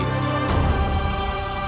terima kasih kanda